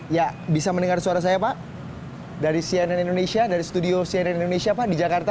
ya bisa mendengar suara saya pak dari cnn indonesia dari studio cnn indonesia pak di jakarta